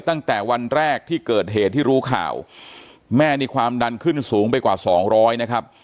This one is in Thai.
ตั้งแต่วันแรกที่เกิดเหตุที่รู้ข่าวแม่นี่ความดันขึ้นสูงไปกว่าสองร้อยนะครับ